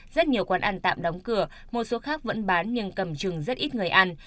rất nhiều quán ăn tạm đóng cửa một số khác vẫn bán nhưng cầm chừng rất ít người ăn